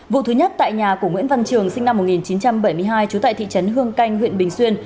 vụ thứ nhất tại nhà của nguyễn văn trường sinh năm một nghìn chín trăm bảy mươi hai trú tại thị trấn hương canh huyện bình xuyên